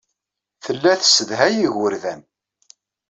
Tella tessedhay igerdan.